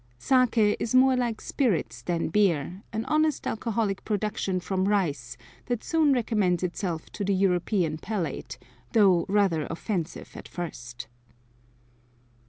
Sake is more like spirits than beer, an honest alcoholic production from rice that soon recommends itself to the European palate, though rather offensive at first.